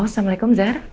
halo assalamualaikum zar